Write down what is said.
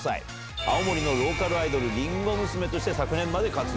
青森のローカルアイドル、りんご娘として昨年まで活動。